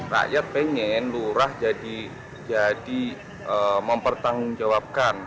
rakyat pengen lurah jadi mempertanggungjawabkan